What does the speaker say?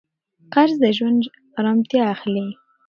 قرض د ژوند ارامتیا اخلي.